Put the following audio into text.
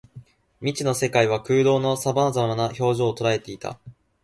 未知の世界は空洞の様々な表情を捉えていた